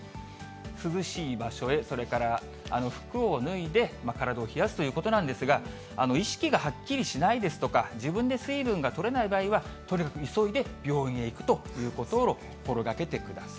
涼しい場所へ、それから服を脱いで、体を冷やすということなんですが、意識がはっきりしないですとか、自分で水分がとれない場合は、とにかく急いで病院へ行くということを心がけてください。